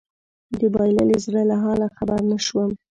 د بايللي زړه له حاله خبر نه شوم